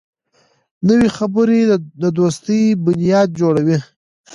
نوې خبرې د دوستۍ بنیاد جوړوي